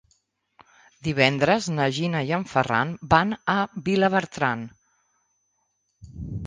Divendres na Gina i en Ferran van a Vilabertran.